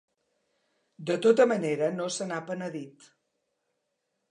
De tota manera, no se n'ha penedit.